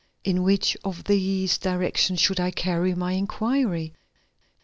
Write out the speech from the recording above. In which of these directions should I carry my inquiry?